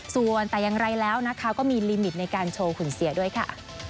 ส่วนแต่อย่างไรแล้วนะคะก็มีลิมิตในการโชว์หุ่นเสียด้วยค่ะ